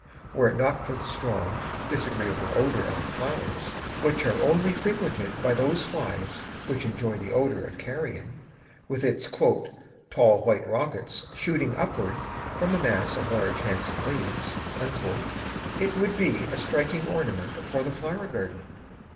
Were it not for the strong, disagreeable odor of the flowers, which are only frequented by those flies which enjoy the odor of carrion, with its "tall white rockets shooting upward from a mass of large, handsome leaves," it would be a striking ornament for the flower garden.